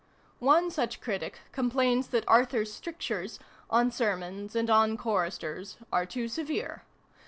One such critic complains that Arthur's strictures, on sermons and on choristers, are too severe.